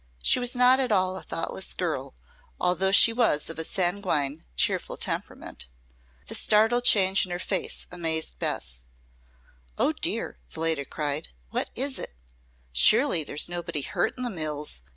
She was not at all a thoughtless girl, although she was of a sanguine, cheerful temperament. The startled change in her face amazed Bess. "Oh dear!" the latter cried. "What is it? Surely, there's nobody hurt in the mills?